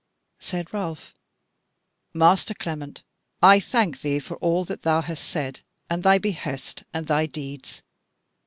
Said Ralph: "Master Clement, I thank thee for all that thou hast said, and thy behest, and thy deeds.